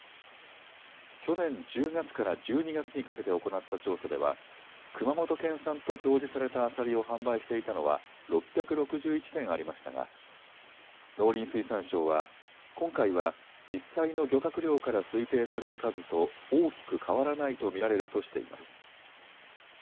去年１０月から１２月にかけて行った調査では熊本県産と表示されたアサリを販売していたのは６６１店ありましたが農林水産省は今回は実際の漁獲量から推定される数と大きく変わらないと見られるとしています。